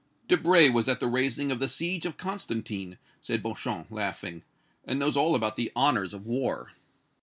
"Debray was at the raising of the siege of Constantine," said Beauchamp laughing, "and knows all about the honors of war."